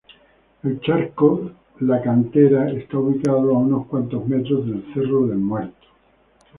El charco La Cantera está ubicado a unos cuantos metros del Cerro del Muerto.